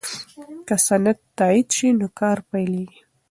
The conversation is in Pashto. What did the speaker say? که سند تایید شي نو کار پیلیږي.